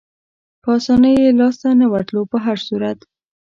په اسانۍ یې لاسته نه ورتلو، په هر صورت.